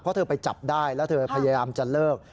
เพราะเธอไปจับได้แล้วเธอพยายามจะเลิก